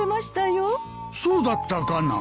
そうだったかな？